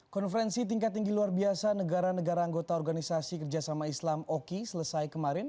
konferensi tingkat tinggi luar biasa negara negara anggota organisasi kerjasama islam oki selesai kemarin